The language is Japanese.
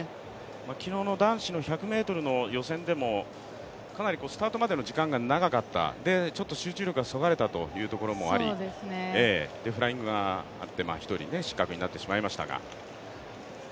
昨日の男子の１００ｍの予選でもかなりスタートまでの時間が長かった、ちょっと集中力がそがれたというところもありフライングがあって、１人失格になってしまいましたが。